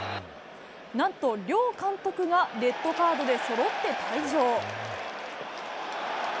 なんと両監督がレッドカードでそろって退場。